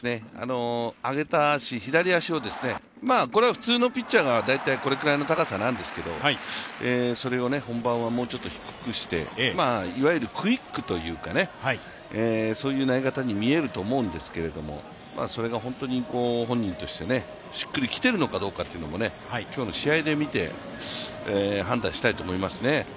上げた足、左足を普通のピッチャーは大体それぐらいの高さなんですけどそれを本番はもうちょっと低くして、いわゆるクイックというか、そういう投げ方に見えると思うんですけども、それが本当に本人としてしっくりきているのかというところもね今日の試合で見て判断したいと思いますね。